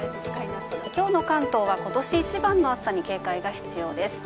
今日の関東は今年一番の暑さに警戒が必要です。